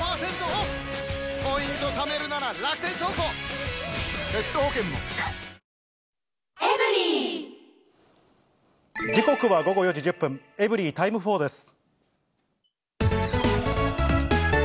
キッコーマン時刻は午後４時１０分、エブリィタイム４です。